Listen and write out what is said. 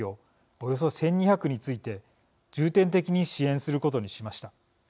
およそ１２００について重点的に支援することにしました。